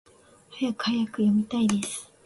はやくはやく！読みたいです！